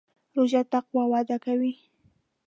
روژه د تقوا وده کوي.